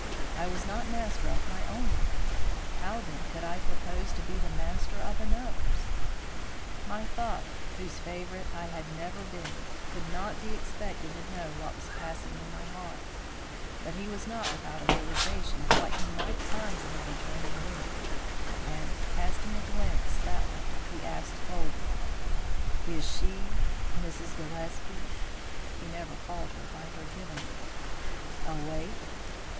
I was not master of my own life; how, then, could I propose to be the master of another's? "My father, whose favourite I had never been, could not be expected to know what was passing in my heart; but he was not without a realisation of what he might find in the adjoining room, and, casting a glance that way, he asked coldly: "'Is she Mrs. Gillespie (he never called her by her given name) awake?'